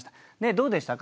どうでしたか？